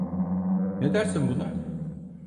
Ne dersin buna?